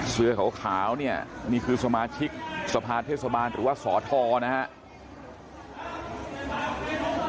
เสื้อขาวเนี่ยนี่คือสมาชิกสภาเทศบาลหรือว่าสอทรนะครับ